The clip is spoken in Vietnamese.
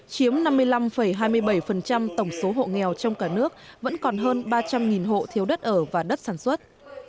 chiếm năm mươi năm hai mươi bảy tổng số hộ nghèo trong cả nước vẫn còn hơn ba trăm linh hộ thiếu đất ở và đất sản xuất